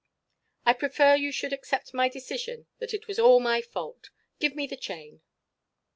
I prefer you should accept my decision that it was all my fault. Give me the chain."